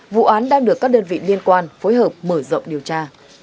vụ án đang được các đơn vị liên quan phối hợp mở rộng điều tra